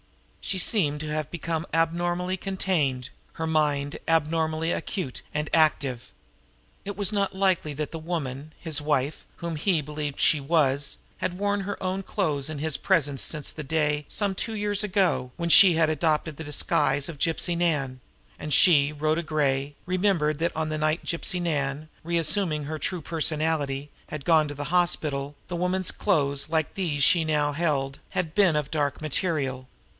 She seemed to have become abnormally contained, her mind abnormally acute and active. It was not likely that the woman, his wife, whom he believed she was, had worn her own clothes in his presence since the day, some two years ago, when she had adopted the disguise of Gypsy Nan; and she, Rhoda Gray, remembered that on the night Gypsy Nan, re assuming her true personality, had gone to the hospital, the woman's clothes, like these she held now, had been of dark material.